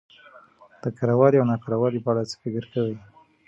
د کره والي او نا کره والي په اړه څه فکر کوؽ